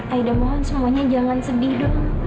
aida mohon semuanya jangan sedih dong